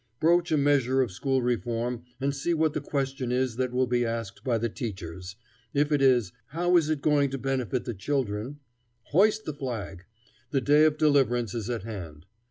Broach a measure of school reform and see what the question is that will be asked by the teachers. If it is, "How is it going to benefit the children?" hoist the flag; the day of deliverance is at hand.